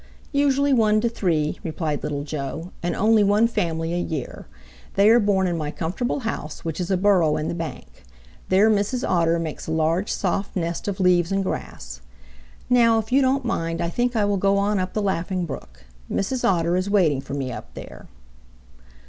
"Usually one to three," replied Little Joe, "and only one family a year. They are born in my comfortable house, which is a burrow in the bank. There Mrs. Otter makes a large, soft nest of leaves and grass. Now, if you don't mind, I think I will go on up the Laughing Brook. Mrs. Otter is waiting for me up there."